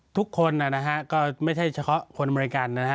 ทุกคนนะฮะก็ไม่ใช่เฉพาะคนอเมริกันนะฮะ